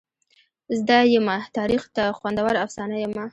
زده یمه تاریخ ته خوندوره افسانه یمه.